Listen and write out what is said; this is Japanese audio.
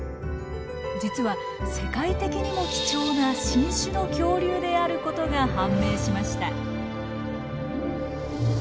実は世界的にも貴重な新種の恐竜であることが判明しました。